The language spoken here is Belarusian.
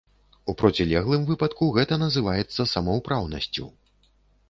У процілеглым выпадку гэта называецца самаўпраўнасцю.